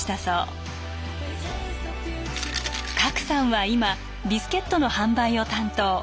郭さんは今ビスケットの販売を担当。